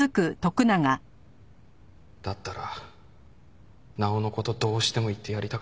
だったらなおの事どうしても言ってやりたかった。